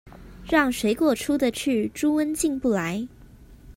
讓水果出得去，豬瘟進不來